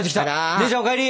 姉ちゃんお帰り！